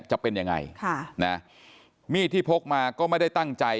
จะเป็นยังไงค่ะนะมีดที่พกมาก็ไม่ได้ตั้งใจ